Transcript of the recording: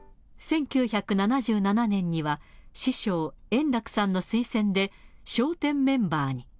１９７７年には師匠、圓楽さんの推薦で、笑点メンバーに。